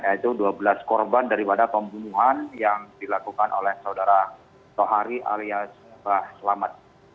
yaitu dua belas korban daripada pembunuhan yang dilakukan oleh saudara tohari alias mbah selamat